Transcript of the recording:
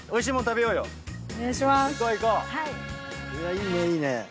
いいねいいね。